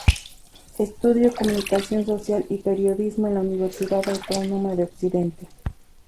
Estudio Comunicación Social y Periodismo, en la Universidad Autónoma de Occidente.